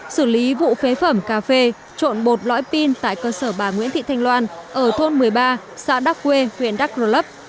xử lý vụ phế phẩm cà phê trộn bột lõi pin tại cơ sở bà nguyễn thị thành loan ở thôn một mươi ba xã đắc quê huyện đắc rồi lấp